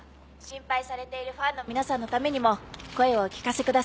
心配されているファンの皆さんのためにも声をお聞かせください。